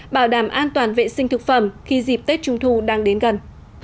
bảo đảm an toàn vệ sinh thực phẩm khi dịp tết trung thu đang đến gần